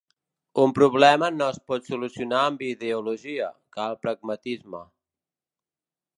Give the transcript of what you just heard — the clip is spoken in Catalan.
Un problema no es pot solucionar amb ideologia, cal pragmatisme.